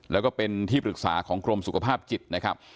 แล้วก็เป็นที่ปรึกษาของกรมสุขภาพจิตนะครับ